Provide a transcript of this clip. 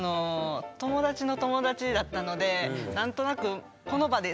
友達の友達だったので何となく空気もね。